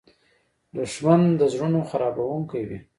دښمن د زړونو خرابوونکی وي